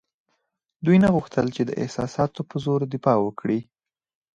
دوی نه غوښتل چې د احساساتو په زور دفاع وکړي.